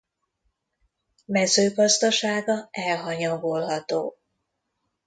Mezőgazdasága elhanyagolható.